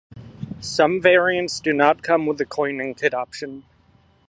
Some variants do not come with the cleaning kit option.